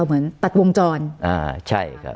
อืมใช่